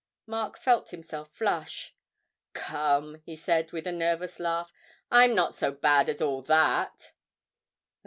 Mark felt himself flush. 'Come,' he said, with a nervous laugh, 'I'm not so bad as all that!'